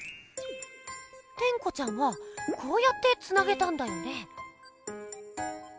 テンコちゃんはこうやってつなげたんだよね？